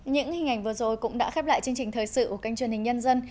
những hình ảnh vừa rồi cũng đã khép lại chương trình thời sự của kênh truyền hình nhân dân